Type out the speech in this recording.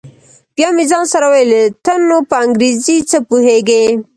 بيا مې ځان سره وويل ته نو په انګريزۍ څه پوهېږې.